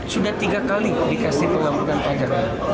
sudah tiga kali dikasih penggabungan pajak